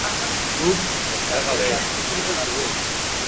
Guk, berba gabe, hitz esaten dugu.